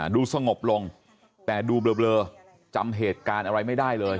ดูเบลอจำเหตุการณ์อะไรไม่ได้เลย